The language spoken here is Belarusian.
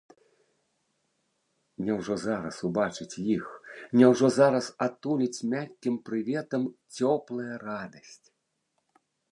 Няўжо зараз убачыць іх, няўжо зараз атуліць мяккім прыветам цёплая радасць?